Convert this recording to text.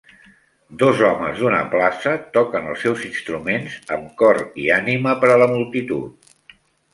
Dos homes d'una plaça toquen els seus instruments amb cor i ànima per a la multitud.